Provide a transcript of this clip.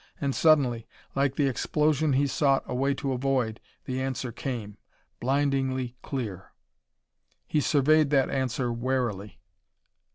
And suddenly, like the explosion he sought a way to avoid, the answer came, blindingly clear. He surveyed that answer warily.